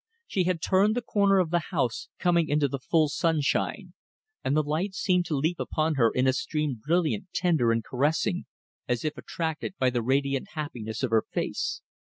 She had turned the corner of the house, coming out into the full sunshine, and the light seemed to leap upon her in a stream brilliant, tender, and caressing, as if attracted by the radiant happiness of her face.